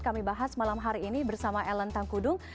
kami bahas malam hari ini bersama ellen tangkudung